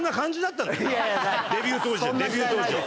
デビュー当時はデビュー当時は。